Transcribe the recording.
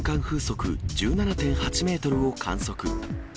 風速１７．８メートルを観測。